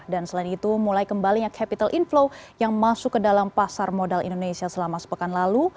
dan selain itu mulai kembalinya capital inflow yang masuk ke dalam pasar modal indonesia selama sepekan lalu